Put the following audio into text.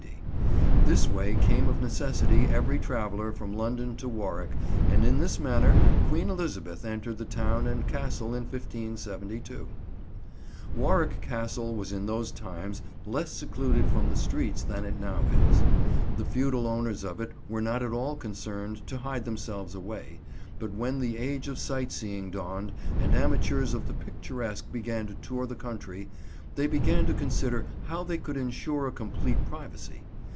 This way came of necessity every traveller from London to Warwick, and in this manner Queen Elizabeth entered the town and Castle in 1572. Warwick Castle was in those times less secluded from the streets than it now is. The feudal owners of it were not at all concerned to hide themselves away, but when the age of sight seeing dawned and amateurs of the picturesque began to tour the country, they began to consider how they could ensure a complete privacy.